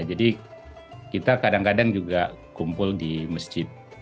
jadi kita kadang kadang juga kumpul di masjid